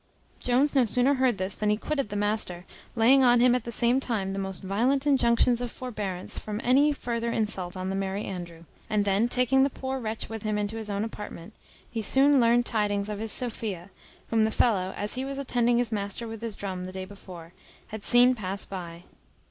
Jones no sooner heard this than he quitted the master, laying on him at the same time the most violent injunctions of forbearance from any further insult on the Merry Andrew; and then taking the poor wretch with him into his own apartment, he soon learned tidings of his Sophia, whom the fellow, as he was attending his master with his drum the day before, had seen pass by.